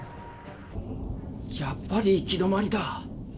やっぱり行き止まりだ。